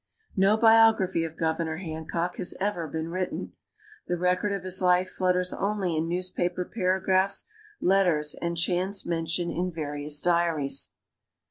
No biography of Governor Hancock has ever been written. The record of his life flutters only in newspaper paragraphs, letters, and chance mention in various diaries.